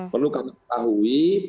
perlu kami ketahui